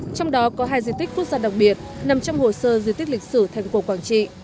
trong đó có hai diện tích quốc gia đặc biệt nằm trong hồ sơ diện tích lịch sử thành quốc quảng trị